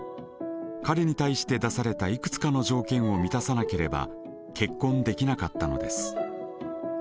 彼に対して出されたいくつかの条件を満たさなければ結婚できなかったのです。